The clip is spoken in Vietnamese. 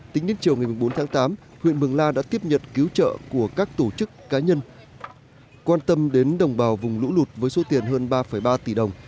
tính đến chiều ngày bốn tháng tám huyện mường la đã tiếp nhận cứu trợ của các tổ chức cá nhân quan tâm đến đồng bào vùng lũ lụt với số tiền hơn ba ba tỷ đồng